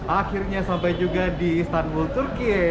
akhirnya sampai juga di istanbul turkiye